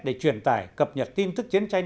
để truyền tải cập nhật tin thức chiến tranh